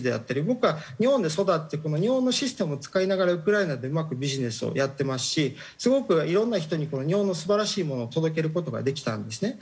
僕は日本で育ってこの日本のシステムを使いながらウクライナでうまくビジネスをやってますしすごくいろんな人にこの日本の素晴らしいものを届ける事ができたんですね。